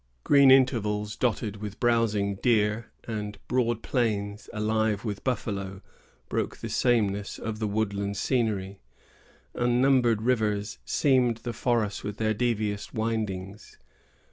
Green intervals dotted with browsing deer, and broad plains alive with buffalo, broke the sameness of the woodland scenery. Unnumbered rivers seamed the forest with their devious windings.